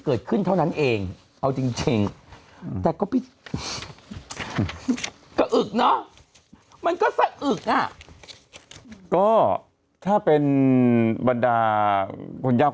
เกิดขึ้นเท่านั้นเองเอาจริงแต่ก็ไปกระอึกเนอะมันก็สะอึกอ่ะก็ถ้าเป็นบรรดาคนยาก